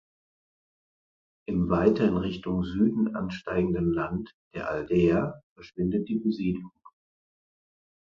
Im weiter in Richtung Süden ansteigenden Land der Aldeia verschwindet die Besiedlung.